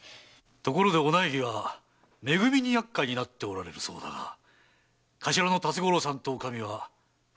ところでお内儀はめ組に厄介になっておられるそうだが頭の辰五郎さんとおかみは古い馴染みだそうで。